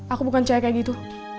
aku bukan cewek kayak gitu